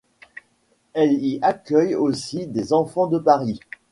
Elle y accueille aussi des enfants de Paris.